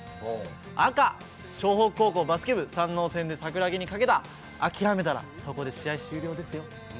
赤、湘北高校バスケ部監督が山王戦で桜木にかけた「あきらめたらそこで試合終了ですよ？」。